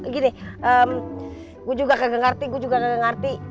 gini gue juga kagak ngerti gue juga kagak ngerti